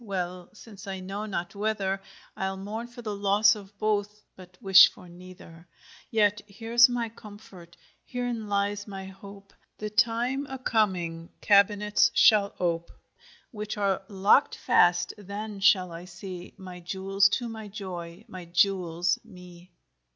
Well, since I know not whether; Ile mourne for the losse of both, but wish for neither, Yet here's my comfort, herein lyes my hope, The tyme a comeinge cabinets shall ope Which are lockt fast: then shall I see My Jewells to my joy, my Jewells mee.